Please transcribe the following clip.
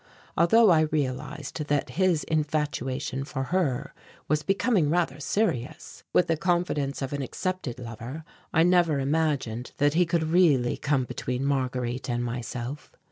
Although I realized that his infatuation for her was becoming rather serious, with the confidence of an accepted lover, I never imagined that he could really come between Marguerite and myself.